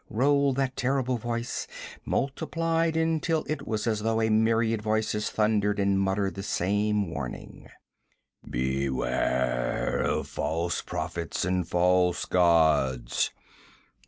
rolled that terrible voice, multiplied until it was as though a myriad voices thundered and muttered the same warning. 'Beware of false prophets and false gods!